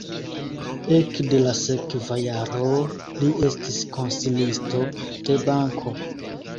Ekde la sekva jaro li estis konsilisto de banko.